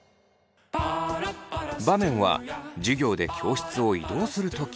場面は授業で教室を移動する時。